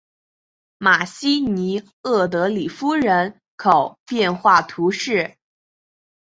马西尼厄德里夫人口变化图示